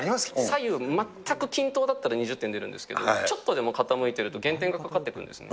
左右全く均等だったら２０点出るんですけど、ちょっとでも傾いてると、減点がかかってくるんですね。